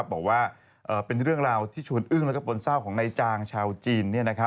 บอกว่าเป็นเรื่องราวที่ชวนอึ้งแล้วก็ปนเศร้าของนายจางชาวจีน